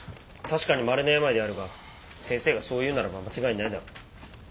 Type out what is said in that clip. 確かにまれな病であるが先生がそう言うならば間違いないだろう。